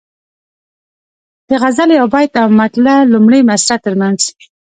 د غزل یو بیت او د مطلع لومړۍ مصرع ترمنځ.